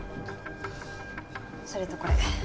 それとこれ。